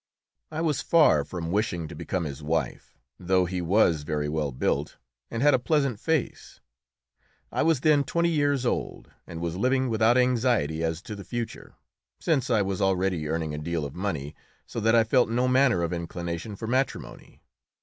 I was far from wishing to become his wife, though he was very well built and had a pleasant face. I was then twenty years old, and was living without anxiety as to the future, since I was already earning a deal of money, so that I felt no manner of inclination for matrimony.